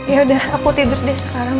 yaudah aku tidur deh sekarang